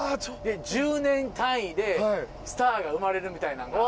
１０年単位でスターが生まれるみたいなんが。